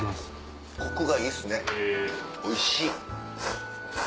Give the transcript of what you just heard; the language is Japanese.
コクがいいですねおいしい。